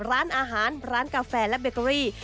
ร้านอาหารร้านกาแฟและเบเกอรี่